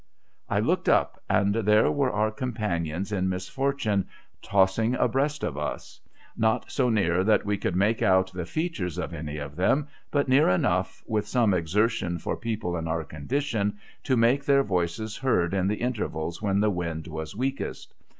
I looked up, and there were our companions in misfortune tossing abreast of us ; not so near that we could make out the features of any of them, but near enough, with some exertion for people in our condition, to make their voices heard in the intervals when the wind was weakest.